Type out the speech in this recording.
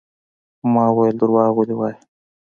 ما وويل دروغ ولې وايې.